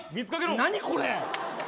何これ？